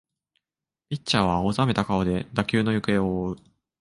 ピッチャーは青ざめた顔で打球の行方を追う